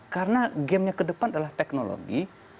karena gamenya ke depan adalah teknologi